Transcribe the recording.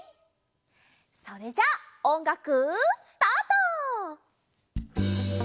それじゃあおんがくスタート！